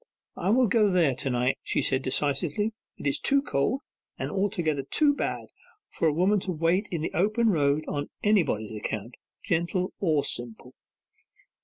'I will go there to night,' she said decisively. 'It is too cold, and altogether too bad, for a woman to wait in the open road on anybody's account, gentle or simple.